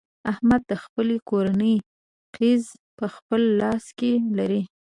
احمد د خپلې کورنۍ قېزه په خپل لاس کې لري.